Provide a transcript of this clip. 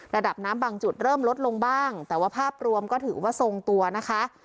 ระดับน้ำบางจุดเริ่มลดลงบ้างแต่ว่าภาพรวมก็ถือว่าทรงตัวนะคะ